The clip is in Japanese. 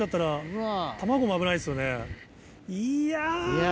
いや。